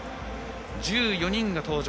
１４人が登場。